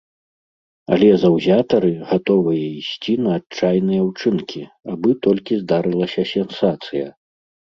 Але заўзятары гатовыя ісці на адчайныя ўчынкі, абы толькі здарылася сенсацыя.